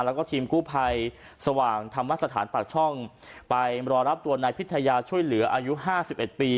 แล้วก็ทีมกู้ภัยสว่างธรรมสถานปากช่องไปรอรับตัวนายพิทยาช่วยเหลืออายุห้าสิบเอ็ดปี